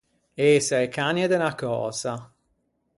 Ëse a-e canie de unna cösa.